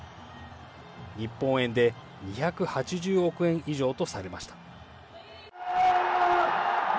日本円で２８０億円以上とされました。